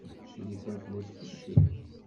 Crifa tella tfeccel.